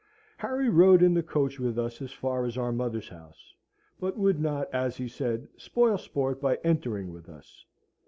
Harry rode in the coach with us as far as our mother's house; but would not, as he said, spoil sport by entering with us.